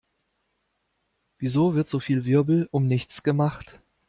Wieso wird so viel Wirbel um nichts gemacht?